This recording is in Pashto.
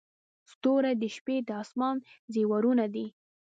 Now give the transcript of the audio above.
• ستوري د شپې د اسمان زیورونه دي.